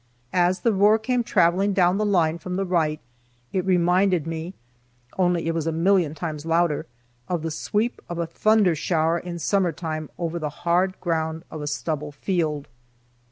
As the roar came travelling down the line from the right it reminded me (only it was a million times louder) of the sweep of a thunder shower in summer time over the hard ground of a stubble field.